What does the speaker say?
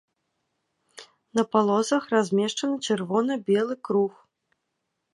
На палосах размешчаны чырвона-белы круг.